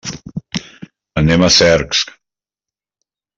Anem a Cercs.